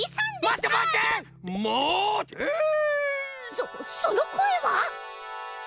そそのこえは！